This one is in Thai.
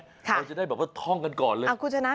เราจะได้แบบว่าท่องกันก่อนเลย